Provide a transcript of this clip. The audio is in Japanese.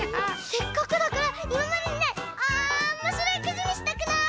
せっかくだからいままでにないおもしろいくじにしたくない？